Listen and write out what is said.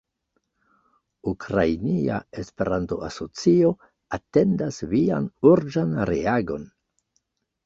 Ukrainia Esperanto-Asocio atendas Vian urĝan reagon."